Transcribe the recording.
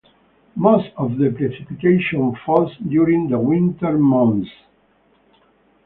Most of the precipitation falls during the winter months.